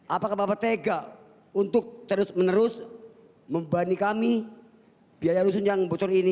apakah bapak tega untuk terus menerus membanding kami biaya rusun yang bocor ini